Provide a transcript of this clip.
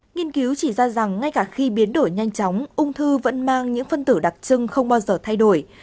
nghiên cứu chỉ ra rằng ngay cả khi biến đổi nhanh chóng ung thư vẫn mang những phân tử đặc trưng không bao giờ thay đổi